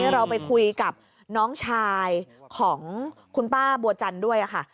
เราไปคุยกับน้องชายของคุณป้าบัวจันทร์ด้วยค่ะ